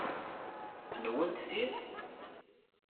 Nwent ti?